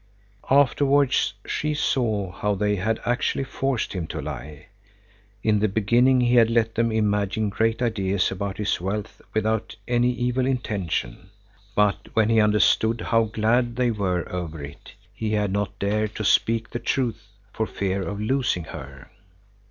Afterwards she saw how they had actually forced him to lie. In the beginning, he had let them imagine great ideas about his wealth without any evil intention, but when he understood how glad they were over it, he had not dared to speak the truth for fear of losing her.